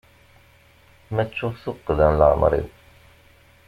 Ma ttuɣ tuqqda n leɛmer-iw.